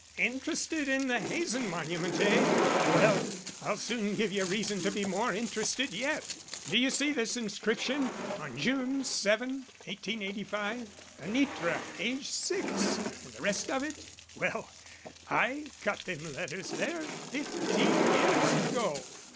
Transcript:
"Interested in the Hazen monument, eh? Well, I'll soon give you reason to be more interested yet. Do you see this inscription On June 7, 1885; Anitra, aged six, and the rest of it? Well, I cut them letters there fifteen years ago.